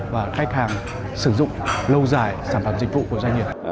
và khách hàng sử dụng lâu dài sản phẩm dịch vụ của doanh nghiệp